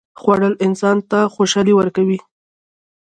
خوړل انسان ته خوشالي ورکوي